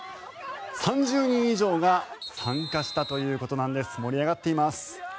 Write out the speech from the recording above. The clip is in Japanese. ３０人以上が参加したということなんです盛り上がっています。